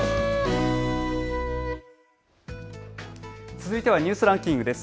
続いてはニュースランキングです。